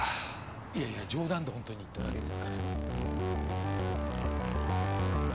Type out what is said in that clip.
いやいや冗談でほんとに言っただけですから。